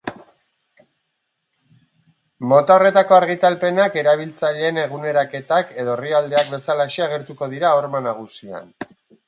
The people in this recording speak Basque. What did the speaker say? Mota horretako argitalpenak erabiltzaileen eguneraketak edo orrialdeak bezalaxe agertuko dira horma nagusian.